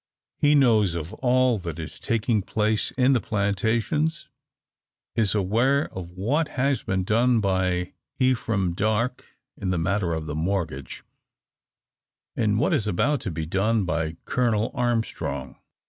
He knows of all that is taking place in the plantations; is aware of what has been done by Ephraim Darke in the matter of the mortgage, and what is about to be done by Colonel Armstrong.